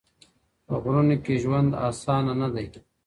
په غرونو کي ژوند اسانه نه دی.